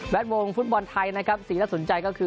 วงฟุตบอลไทยนะครับสีน่าสนใจก็คือ